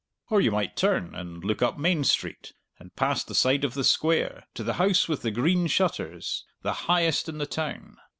Or you might turn and look up Main Street, and past the side of the Square, to the House with the Green Shutters, the highest in the town.